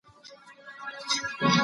سفره هواره شوه.